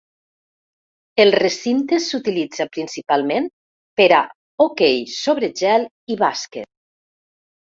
El recinte s'utilitza principalment per a hoquei sobre gel i bàsquet.